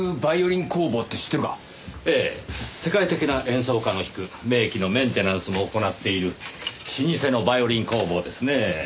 世界的な演奏家の弾く名器のメンテナンスも行っている老舗のバイオリン工房ですねぇ。